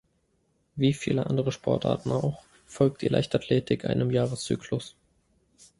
Wie viele andere Sportarten auch, folgt die Leichtathletik einem Jahreszyklus.